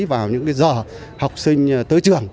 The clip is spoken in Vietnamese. vào những giờ học sinh tới trường